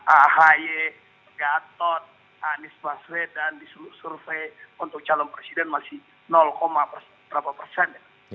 ahy gatot anies baswedan di seluruh survei untuk calon presiden masih berapa persen